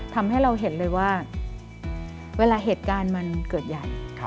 ทำให้เราเห็นเลยว่าเวลาเหตุการณ์มันเกิดใหญ่